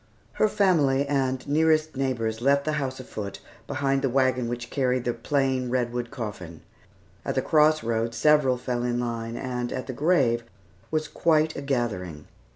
Her family and nearest neighbors left the house afoot, behind the wagon which carried the plain redwood coffin. At the cross road several fell in line, and at the grave was quite a gathering.